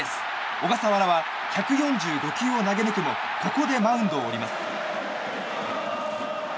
小笠原は１４５球を投げ抜くもここでマウンドを降ります。